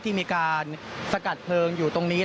ที่มีการสกัดเพลิงอยู่ตรงนี้